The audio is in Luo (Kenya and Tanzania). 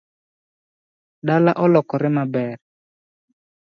Dala olokore maber